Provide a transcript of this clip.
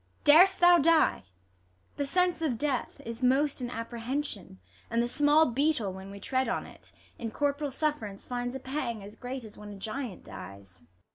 Dar'st thou die 1 The sense of death is most in apprehension ; And the small beetle, when we tread on it. In corp'ral suff 'ranee, finds a pang as great As when a giant dies.